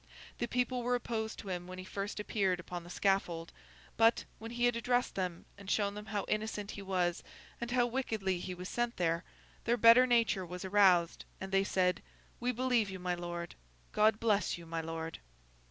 The people were opposed to him when he first appeared upon the scaffold; but, when he had addressed them and shown them how innocent he was and how wickedly he was sent there, their better nature was aroused, and they said, 'We believe you, my Lord. God bless you, my Lord!